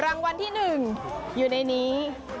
รางวัลที่หนึ่งอยู่ในนี้